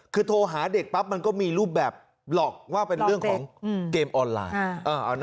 คือโทรหาเด็กปั๊บมันก็มีรูปแบบหลอกว่าเป็นเรื่องของเกมออนไลน์